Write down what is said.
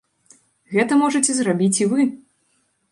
Гэта можаце зрабіць і вы!